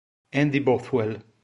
Andy Bothwell